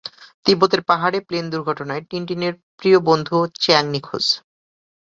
তিব্বতের পাহাড়ে প্লেন দুর্ঘটনায় টিনটিনের প্রিয় বন্ধু চ্যাং নিখোঁজ।